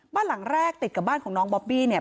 บ้านหลังแรกติดกับบ้านของน้องบอบบี้เนี่ย